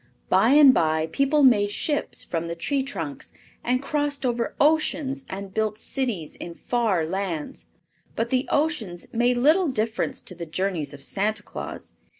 By and by people made ships from the tree trunks and crossed over oceans and built cities in far lands; but the oceans made little difference to the journeys of Santa Claus.